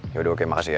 yaudah oke makasih ya